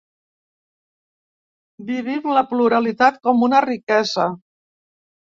Vivim la pluralitat com una riquesa.